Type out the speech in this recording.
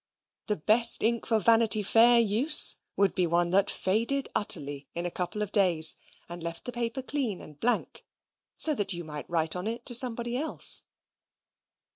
The best ink for Vanity Fair use would be one that faded utterly in a couple of days, and left the paper clean and blank, so that you might write on it to somebody else.